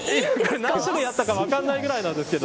何種類あっか分からないぐらいなんですけど。